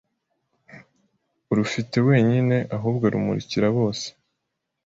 urufite wenyine ahubwo rumurikira bose